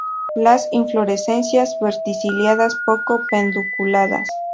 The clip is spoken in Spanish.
Las inflorescencias verticiladas, poco pedunculadas.